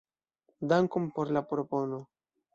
Dankon por la propono.